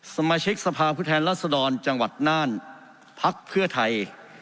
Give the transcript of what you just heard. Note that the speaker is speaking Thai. สมาชิกสภาพุทธแหละสดรจังหวัดน่านพรรคเพื่อไทย